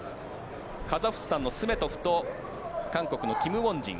カザフスタンのスメトフと韓国のキム・ウォンジン。